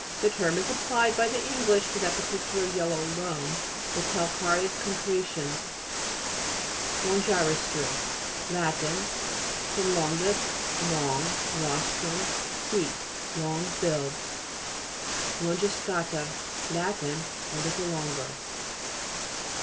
The term is applied by the English to that peculiar yellow loam with cal careous concretions. LONDON CLAY (p. 78). LONGIRO'STRIS lat. fr. longus, long, rostrum, beak. Long billed. LONGISCA'TA Lat. A little longer.